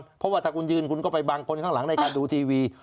เพราะว่าถ้าคุณยืนคุณก็ไปบางคนข้างหลังในการดูทีวี